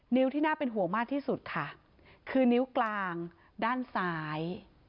ที่น่าเป็นห่วงมากที่สุดค่ะคือนิ้วกลางด้านซ้าย